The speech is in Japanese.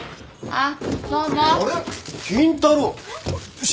あっ？